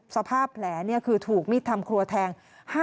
สภาพแผลคือถูกมีดทำครัวแทง